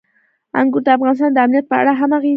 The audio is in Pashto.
انګور د افغانستان د امنیت په اړه هم اغېز لري.